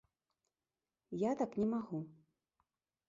Я так не магу.